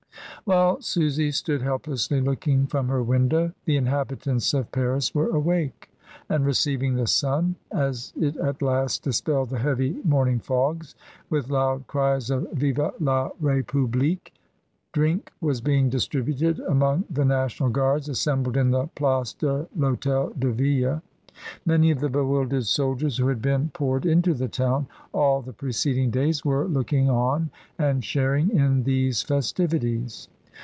While Susy stood helplessly looking from her window the inhabitants of Paris were awake, and receiving the sun, as it at last dispelled the heavy morning fogs, with loud cries of " Vwe la Ripublique!" Drink was being distributed among the National Guards assembled in the Place de THdtel de Ville. Many of the bewildered soldiers who. had been poured into the town all the preceding days were looking on and sharing in these festivities.